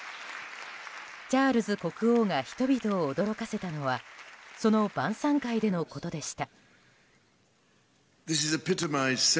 チャールズ国王が人々を驚かせたのはその晩さん会でのことでした。